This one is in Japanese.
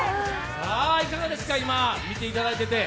いかがですか、今、見ていただいてて。